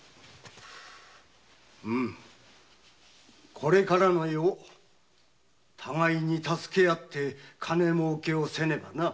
これからの世互いに助け合って金もうけをせねばな。